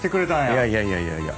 いやいやいやいやいや。